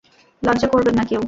লজ্জা করবেন না কেউ।